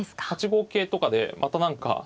８五桂とかでまた何か。